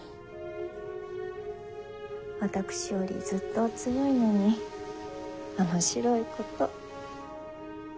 私よりずっとお強いのに面白いこと。